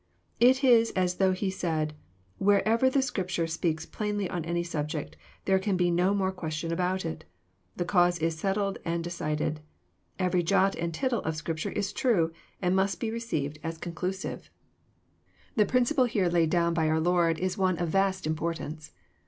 It is as though He said, " Wherever the Scrip ture speaks plainly on any subject, there can be no more question about it. The cause is settled and decided. Every Jot and tittle of Scripture is true, and must be receiyed as conclusive/ ^ JOHN, CHAP. X. 217 The principle here laid down by oar Lord is one of vast importance.